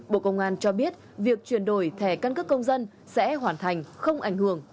bộ công an cho biết việc chuyển đổi thẻ căn cước công dân sẽ hoàn thành không ảnh hưởng